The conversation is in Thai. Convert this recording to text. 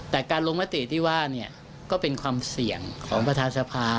แต่การลงมติที่ว่าเนี่ยก็เป็นความเสี่ยงของประธานสภา